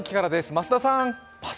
増田さーん。